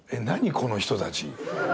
この人たち。